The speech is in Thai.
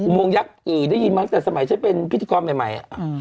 อุโมงยักษ์อีอยู่ได้ยินมากแต่สมัยฉันเป็นพิธากรใหม่